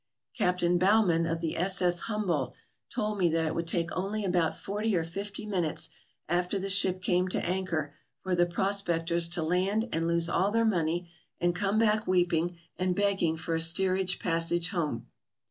Captain Baugh man of the S. S. Humboldl told me that it would take only about forty or fifty minutes after the ship came to anchor for the prospectors to land and lose all their money, and come back weeping and begging for a steerage passage home.